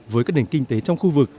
với các nền kinh tế trong khu vực